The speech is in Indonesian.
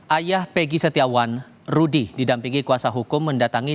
ayah peggy setiawan rudy didampingi kuasa hukum mendatangi